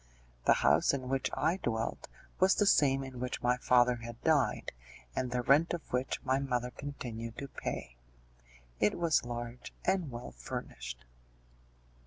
The house in which I dwelt was the same in which my father had died, and the rent of which my mother continued to pay. It was large and well furnished.